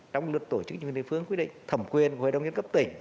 trong luật tổ chức chính quyền địa phương quy định thẩm quyền hội đồng nhân cấp tỉnh